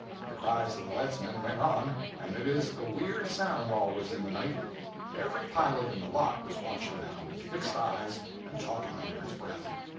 The cries of the leadsmen went on and it is a weird sound, always, in the night. Every pilot in the lot was watching now, with fixed eyes, and talking under his breath.